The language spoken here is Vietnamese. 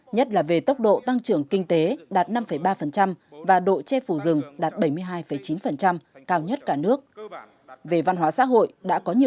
nhất là về tốc độ tăng trưởng kinh tế đạt năm ba và độ che phủ rừng đạt bảy mươi hai chín cao nhất cả nước